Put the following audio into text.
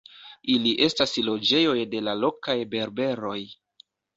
Ili estas loĝejoj de la lokaj berberoj.